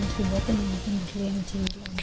ถูกว่าเป็นรักวันเครียมจริง